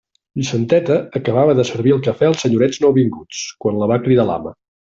Vicenteta acabava de servir el cafè als senyorets nouvinguts, quan la va cridar l'ama.